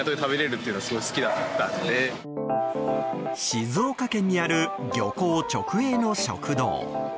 静岡県にある漁港直営の食堂。